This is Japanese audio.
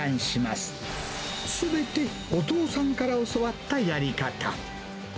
すべてお父さんから教わったやり方。